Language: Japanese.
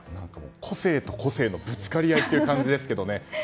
個性と個性のぶつかり合いっていう感じですけどね。